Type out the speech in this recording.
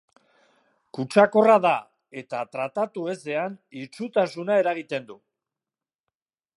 Kutsakorra da, eta tratatu ezean itsutasuna eragiten du.